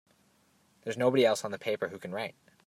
There's nobody else on the paper who can write!